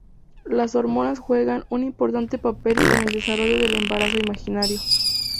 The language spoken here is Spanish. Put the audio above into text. Las hormonas juegan un importante papel en el desarrollo del embarazo imaginario.